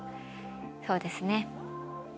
そうですね。